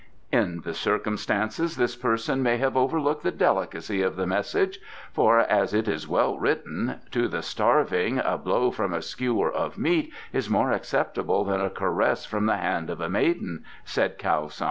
"In the circumstances this person may have overlooked the delicacy of the message, for, as it is well written, 'To the starving, a blow from a skewer of meat is more acceptable than a caress from the hand of a maiden,'" said Kiau Sun.